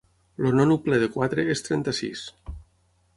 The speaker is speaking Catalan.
El nònuple de quatre és trenta-sis.